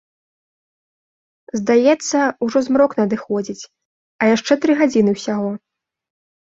Здаецца, ужо змрок надыходзіць, а яшчэ тры гадзіны ўсяго.